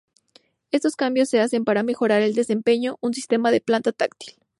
Estos cambios se hacen para mejorar el desempeño en sistemas de pantalla táctil.